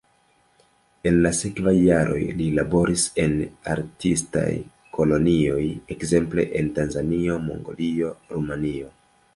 En la sekvaj jaroj li laboris en artistaj kolonioj ekzemple en Tanzanio, Mongolio, Rumanio.